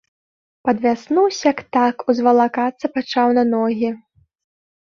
Пад вясну сяк-так узвалакацца пачаў на ногі.